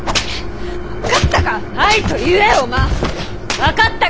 分かったか！